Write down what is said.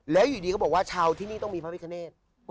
แล้วอยู่ดีก็บอกว่าชาวที่นี่ต้องมีพระพิคเนต